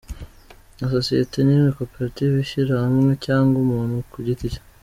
Nta sosiyete n’imwe, koperative, ishyirahamwe cyangwa umuntu ku gite cye.